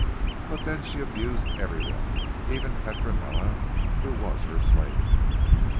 But then she abused everyone, even Petronella, who was her slave.